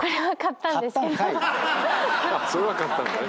それは買ったんだね。